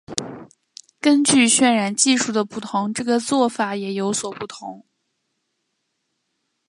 根据渲染技术的不同这个做法也有所不同。